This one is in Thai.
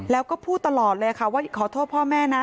แล้วก็พูดตลอดเลยค่ะว่าขอโทษพ่อแม่นะ